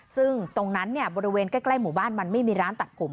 ซึ่งตรงนั้นบริเวณใกล้หมู่บ้านมันไม่มีร้านตัดผม